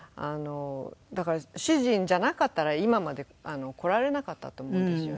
だから主人じゃなかったら今までこられなかったと思うんですよね。